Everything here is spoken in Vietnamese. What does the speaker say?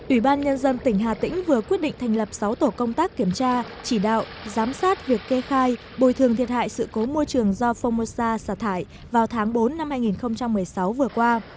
ubnd tỉnh hà tĩnh vừa quyết định thành lập sáu tổ công tác kiểm tra chỉ đạo giám sát việc kê khai bồi thường thiệt hại sự cố môi trường do phomosa xả thải vào tháng bốn năm hai nghìn một mươi sáu vừa qua